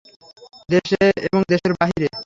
দেশে এবং দেশের বাহিরে!